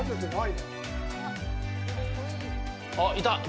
あっ、いた！